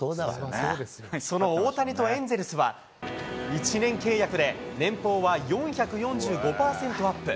その大谷とエンゼルスは、１年契約で年俸は４４５％アップ。